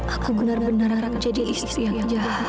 aku benar benar jadi istri yang jahat